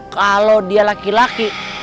kalau dia laki laki